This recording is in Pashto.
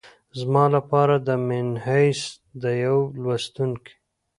زما لپاره منحیث د یوه لوستونکي